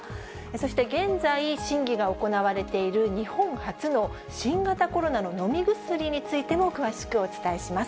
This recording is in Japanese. そして現在、審議が行われている、日本初の新型コロナの飲み薬についても詳しくお伝えします。